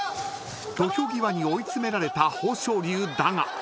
［土俵際に追い詰められた豊昇龍だが］